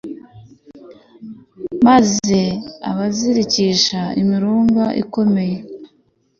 maze abazirikisha imirunga ikomeye